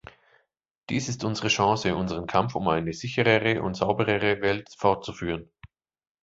Dies ist unsere Chance, unseren Kampf um eine sicherere und sauberere Welt fortzuführen.